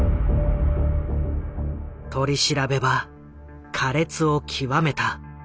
取り調べは苛烈を極めた。